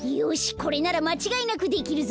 これならまちがいなくできるぞ。